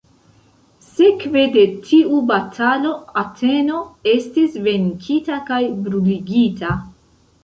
Sekve de tiu batalo, Ateno estis venkita kaj bruligita.